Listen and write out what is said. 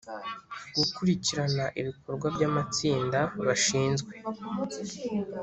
gukurikirana ibikorwa by amatsinda bashinzwe